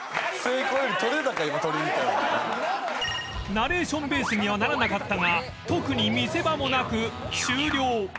ナレーションベースにはならなかったが特に見せ場もなく終了